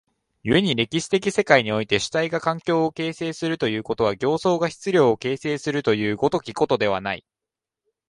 故に歴史的世界において主体が環境を形成するということは、形相が質料を形成するという如きことではない。